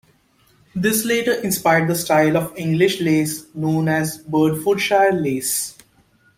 This later inspired the style of English lace known as Bedfordshire lace.